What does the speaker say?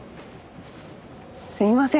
すいません